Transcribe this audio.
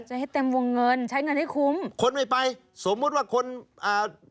จะให้เต็มวงเงินใช้เงินให้คุ้มคนไม่ไปสมมุติว่าคนอ่า